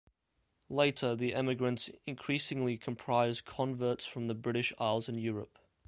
Later, the emigrants increasingly comprised converts from the British Isles and Europe.